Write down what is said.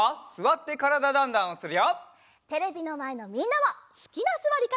テレビのまえのみんなはすきなすわりかたでやってね！